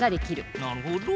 なるほど！